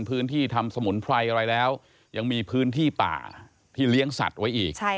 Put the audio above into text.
พื้นที่ทำสมุนไพรอะไรแล้วยังมีพื้นที่ป่าที่เลี้ยงสัตว์ไว้อีก